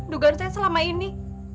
dugaan saya selama ini